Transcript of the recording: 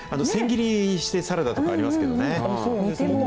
千切りにして、サラダとかありますけどね。